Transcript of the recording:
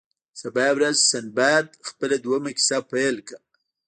سبا ورځ سنباد خپله دوهمه کیسه پیل کړه.